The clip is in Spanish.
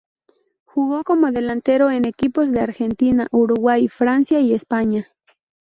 Jugó como delantero, en equipos de Argentina, Uruguay, Francia y España.